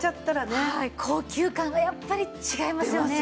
高級感がやっぱり違いますよね。